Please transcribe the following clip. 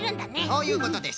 そういうことです！